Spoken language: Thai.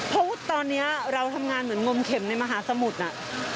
เพราะว่าตอนนี้เราทำงานเหมือนงมเข็มในมหาสมุทรน่ะ